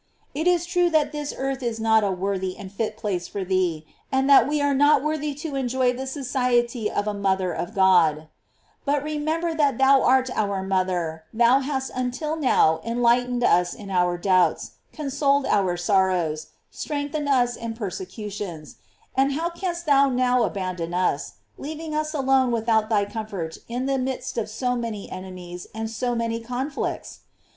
It is true that this earth is not a worthy and fit place for thee, and that we * S. Aadr. Cret. Or. de Dorm. Deip., Damasc. de Dorm. Deip 1. 3, Hist, c. 40. 0LOEIES OF MART. 487 are not worthy to enjoy the society of a mother of God; but remember that thou art our mother; thou hast until now enlightened us in our doubts, consoled our sorrows, strengthened us in per eecutions, and how canst thou now abandon us, leaving us alone without thy comfort in the midst of so many enemies and so many conflicts